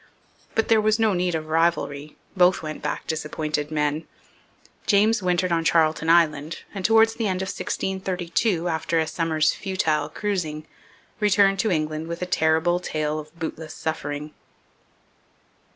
But there was no need of rivalry; both went back disappointed men. James wintered on Charlton Island, and towards the end of 1632, after a summer's futile cruising, returned to England with a terrible tale of bootless suffering.